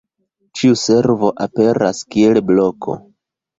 Ĉiu servo aperas kiel bloko.